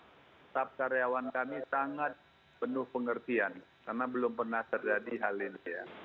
tetap karyawan kami sangat penuh pengertian karena belum pernah terjadi hal ini ya